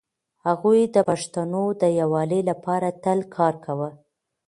هغوی د پښتنو د يووالي لپاره تل کار کاوه.